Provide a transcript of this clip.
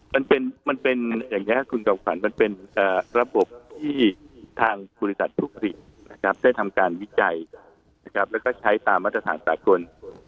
มันเป็นอย่างนี้ครับคุณจอมขวัญมันเป็นระบบที่ทางบริษัทผู้ผลิตนะครับได้ทำการวิจัยนะครับแล้วก็ใช้ตามมาตรฐานสากล